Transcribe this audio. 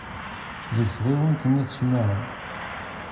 Deg tɣiwant n At Smaɛel.